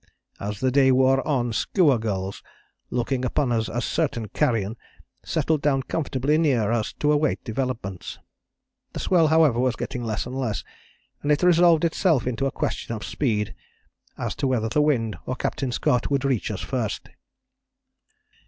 As the day wore on skua gulls, looking upon us as certain carrion, settled down comfortably near us to await developments. The swell, however, was getting less and less and it resolved itself into a question of speed, as to whether the wind or Captain Scott would reach us first.